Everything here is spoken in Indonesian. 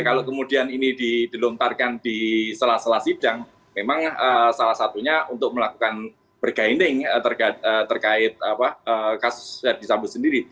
kalau kemudian ini dilontarkan di selah selah sidang memang salah satunya untuk melakukan bergainding terkait kasus verdi sambo sendiri